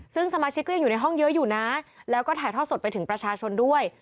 ซึ่งสมาชิกก็ยังอยู่ในห้องเยอะอยู่นะแล้วก็ถ่ายทอดสดไปถึงประชาชนด้วย